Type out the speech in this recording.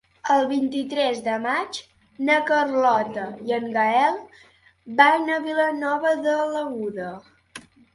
El vint-i-tres de maig na Carlota i en Gaël van a Vilanova de l'Aguda.